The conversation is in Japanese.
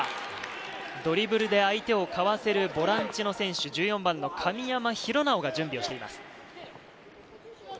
ドリブルで相手をかわせるボランチの選手、１４番の神山寛尚が準備をしています。